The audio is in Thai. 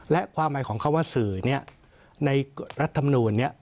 และความหมายของเขาว่าสื่อในรัฐธรรมนูลนี้